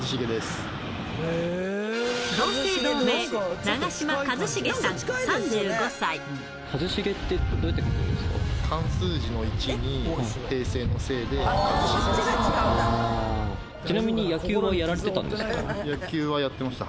同姓同名、かずしげって、どうやって書漢数字の一に、平成の成で、ちなみに野球はやられてたん野球はやってました。